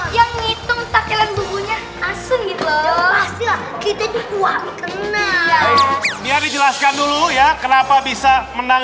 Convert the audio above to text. yang ngitung takilan bubunya asli lho kita di buah kena dia dijelaskan dulu ya kenapa bisa menang